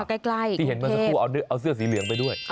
ใกล้มื้งเทพที่เห็นมาสักครู่เอาเสื้อสีเหลืองไปด้วย